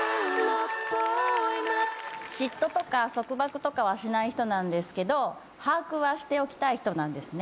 嫉妬とか束縛とかはしない人なんですけど把握はしておきたい人なんです。